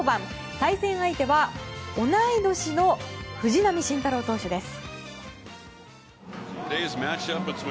対戦相手は同い年の藤浪晋太郎投手です。